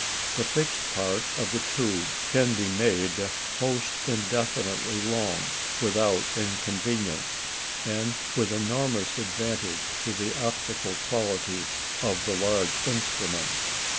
The fixed part of the tube can be made almost indefinitely long without inconvenience, and with enormous advantage to the optical qualities of a large instrument.